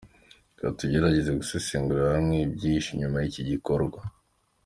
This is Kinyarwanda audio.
Reka tugerageze gusesengurira hamwe ibyihishe inyuma y’iki gikorwa.